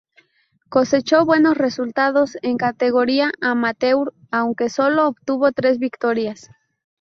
Cosechó buenos resultados en categoría amateur, aunque solo obtuvo tres victorias.